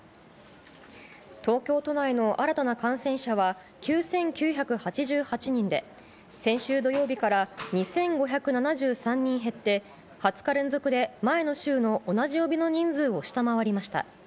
東京都内の新たな感染者は９９８８人で、先週土曜日から２５７３人減って、２０日連続で前の週の同じ曜日の人数を下回りました。